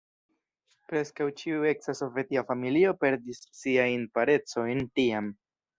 Preskaŭ ĉiu eksa sovetia familio perdis siajn parencojn tiam.